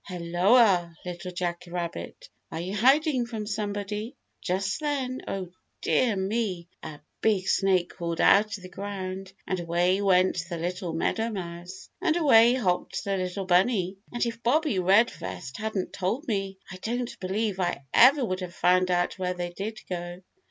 "Helloa, Little Jack Rabbit. Are you hiding from somebody?" Just then, oh dear me! a big snake crawled out of the ground and away went the little meadowmouse, and away hopped the little bunny, and if Bobbie Redvest hadn't told me, I don't believe I ever would have found out where they did go.